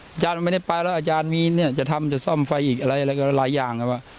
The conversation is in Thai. อาจารย์ไม่ได้ไปแล้วอาจารย์มีเนี่ยจะทำจะซ่อมไฟอีกอะไรก็หลายอย่างครับ